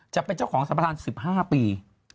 จะเป็นเจ้าของสำหรับทาง๑๕ปี